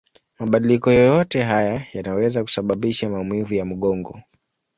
Mabadiliko yoyote haya yanaweza kusababisha maumivu ya mgongo.